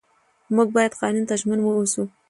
موږ باید قانون ته ژمن واوسو